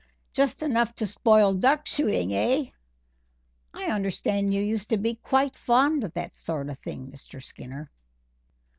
"Just enough to spoil duck shooting, eh! I understand you used to be quite fond of that sort of thing, Mr. Skinner."